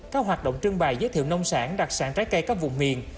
các hoạt động trưng bày giới thiệu nông sản đặc sản trái cây các vùng miền